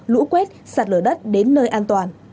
lũ quét sạt lở đất đến nơi an toàn